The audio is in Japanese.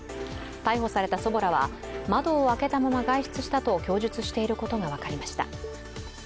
逮捕された祖母らは、窓を開けたまま外出したと供述していることが分かりました。